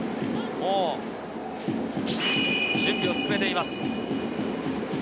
もう準備を進めています。